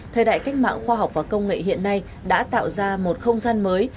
thời đại cách mạng khoa học và công nghệ hiện nay đã tạo ra một không gian mới